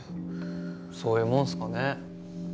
そういうもんすかね？